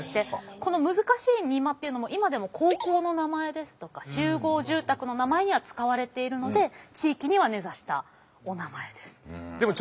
この難しい邇摩っていうのも今でも高校の名前ですとか集合住宅の名前には使われているので地域には根ざしたおなまえです。